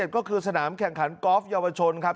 ก็คือสนามแข่งขันกอล์ฟเยาวชนครับ